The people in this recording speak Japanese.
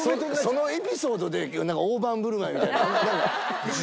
そのエピソードで大盤振る舞いみたいなのは。